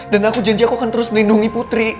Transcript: dan aku janji aku akan terus melindungi putri